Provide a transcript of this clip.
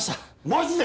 マジで？